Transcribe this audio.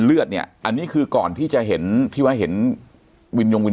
เลือดเนี่ยอันนี้คือก่อนที่จะเห็นที่ว่าเห็นวินยงวิน